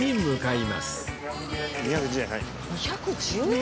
２１０円？